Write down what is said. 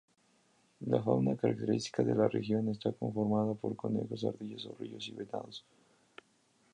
La fauna característica de la región está conformada por conejos, ardillas, zorrillos y venados.